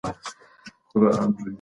سوداګر په لاهور کي آسونه پلوري.